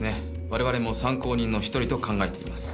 われわれも参考人の１人と考えています